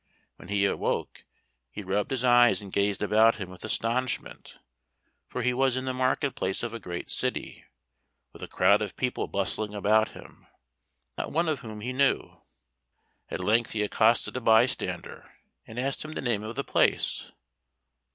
When he awoke, he rubbed his eyes and gazed about him with astonishment, for he was in the market place of a great city, with a crowd of people bustling about him, not one of whom he knew. At length he accosted a bystander, and asked him the name of the place.